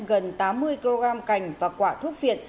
gần tám mươi kg cành và quả thuốc phiện